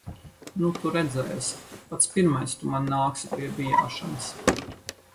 Nu tu redzēsi. Pats pirmais tu man nāksi pie bijāšanas.